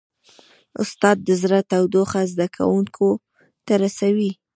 استاد د زړه تودوخه زده کوونکو ته رسوي.